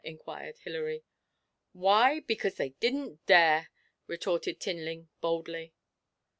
inquired Hilary. 'Why? Because they didn't dare!' retorted Tinling, boldly.